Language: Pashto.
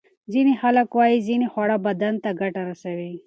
ځینې خلک وايي ځینې خواړه بدن ته ګټه رسوي.